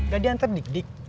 dada antar dik dik